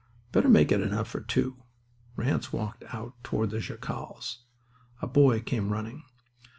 Better make it enough for two." Ranse walked out toward the jacals. A boy came running.